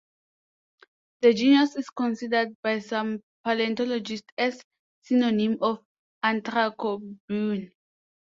The genus is considered by some paleontologists as a synonym of "Anthracobune".